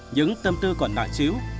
những tâm tư còn nảy chiếu